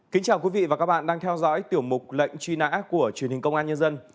kính chào quý vị và các bạn đang theo dõi tiểu mục lệnh truy nã của truyền hình công an nhân dân